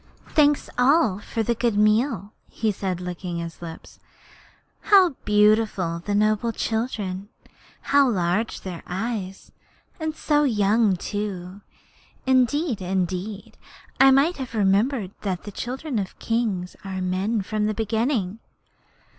'All thanks for this good meal,' he said, licking his lips. 'How beautiful are the noble children! How large are their eyes! And so young too! Indeed, indeed, I might have remembered that the children of kings are men from the beginning.'